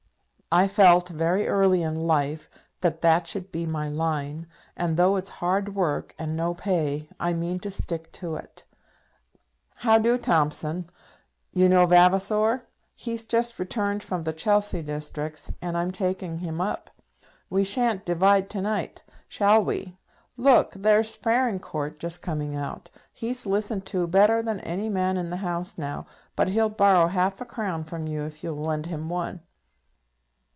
I felt, very early in life, that that should be my line; and though it's hard work and no pay, I mean to stick to it. How do, Thompson? You know Vavasor? He's just returned for the Chelsea Districts, and I'm taking him up. We shan't divide to night; shall we? Look! there's Farringcourt just coming out; he's listened to better than any man in the House now, but he'll borrow half a crown from you if you'll lend him one.